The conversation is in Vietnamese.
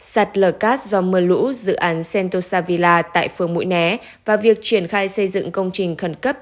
sạt lờ cát do mưa lũ dự án sentosa villa tại phương mũi nẻ và việc triển khai xây dựng công trình khẩn cấp